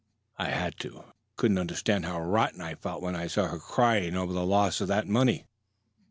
"I had to. You can't understand how rotten I felt when I saw her crying over the loss of that money.